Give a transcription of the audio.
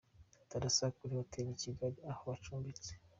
Darassa kuri hotel i Kigali aho acumbitse.